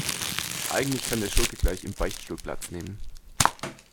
Eigentlich kann der Schurke gleich im Beichtstuhl Platz nehmen.